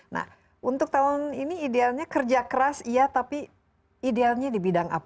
nah untuk tahun ini idealnya kerja keras iya tapi idealnya di bidang apa